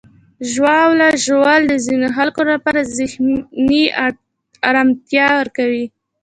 ژاوله ژوول د ځینو خلکو لپاره ذهني آرامتیا ورکوي.